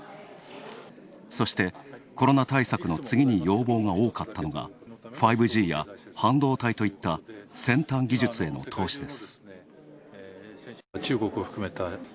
そして、コロナ対策の次に要望が多かったのが５Ｇや半導体といった先端技術への投資です。